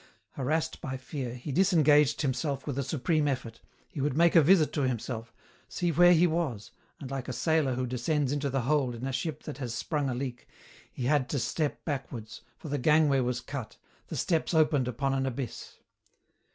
Harassed by fear, he disengaged himself with a supreme effort, he would make a visit to himself, see where he was, and like a sailor who descends into the hold in a ship that has sprung a leak, he had to step backwards, for the gangway was cut, the steps opened upon an abyss.